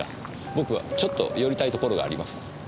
僕はちょっと寄りたいところがあります。